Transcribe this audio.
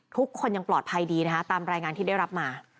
ทุกคนยังปลอดภัยดีนะคะตามรายงานที่ได้รับมา